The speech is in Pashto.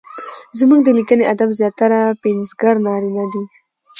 زموږ د ليکني ادب زياتره پنځګر نارينه دي؛